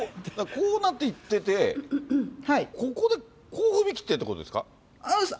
こうなっていってて、ここでこう踏み切ってるということですか？